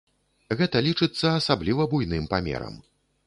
Гэта лічыцца асабліва буйным памерам.